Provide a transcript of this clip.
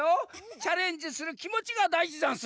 チャレンジするきもちがだいじざんす！